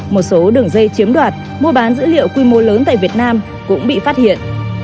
một số đường dây chiếm đoạt mua bán dữ liệu quy mô lớn tại việt nam cũng bị phát hiện